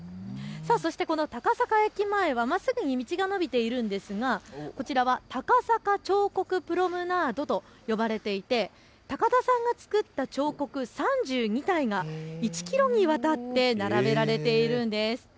そしてこの高坂駅前はまっすぐに道が延びているんですがこちらは高坂彫刻プロムナードと呼ばれていて高田さんが作った彫刻３２体が１キロにわたって並べられているんです。